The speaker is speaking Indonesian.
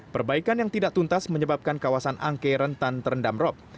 perbaikan yang tidak tuntas menyebabkan kawasan angke rentan terendam rop